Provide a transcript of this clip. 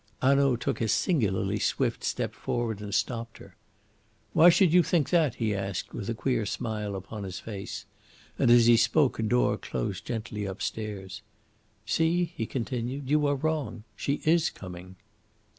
Hanaud took a singularly swift step forward and stopped her. "Why should you think that?" he asked, with a queer smile upon his face, and as he spoke a door closed gently upstairs. "See," he continued, "you are wrong: she is coming."